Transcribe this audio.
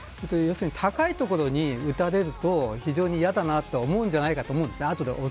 高い所に打たれると非常に嫌だなと思うんじゃないかと思うんですね。